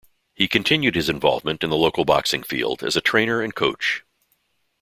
He continued his involvement in the local boxing field as a trainer and coach.